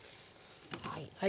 はい。